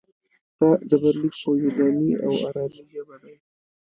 دا ډبرلیک په یوناني او ارامي ژبه دی